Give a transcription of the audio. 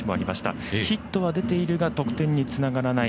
ヒットは出ているが得点につながらない。